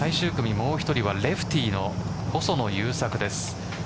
もう１人はレフティーの細野勇策です。